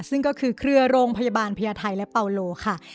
ซึ่งก็คือเครือโรงพยาบาลพญาไทยและเปาโลค่ะ